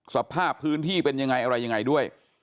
สภาพพื้นที่เป็นยังไงอะไรยังไงด้วย